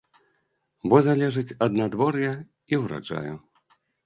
Бо залежыць ад надвор'я і ўраджаю.